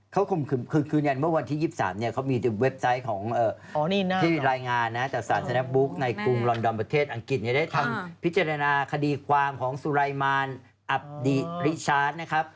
เขาข่มขืนคือยืนยันเมื่อวันที่๒๓เนี่ยเขามีเว็บไซต์ของที่มีรายงานนะจากสารสนบุ๊กในกรุงลอนดอนประเทศอังกฤษได้ทำพิจารณาคดีความของสุรายมานอับดิริชาร์จนะครับ